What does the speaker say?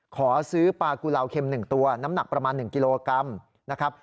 ขอซื้อปลากุลาวเข็ม๑ตัวน้ำหนักประมาณ๑กิโลกรัมนะครับ